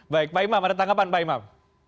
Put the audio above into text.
baik pak imam ada tanggapan pak imam